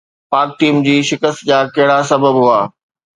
پاڪ ٽيم جي شڪست جا ڪهڙا سبب هئا؟